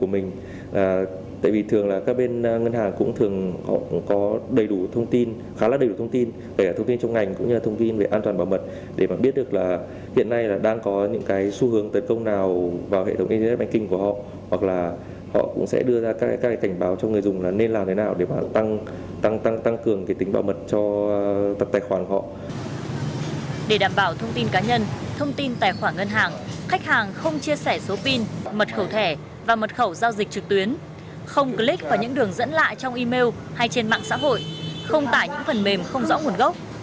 mật khẩu thẻ và mật khẩu giao dịch trực tuyến không click vào những đường dẫn lại trong email hay trên mạng xã hội không tải những phần mềm không rõ nguồn gốc